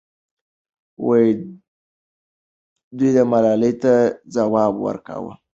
دوی ملالۍ ته ځواب ورکاوه.